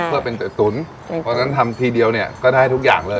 เพื่อเป็นตุ๋นทำทีเดียวเนี่ยก็ได้ให้ทุกอย่างเลย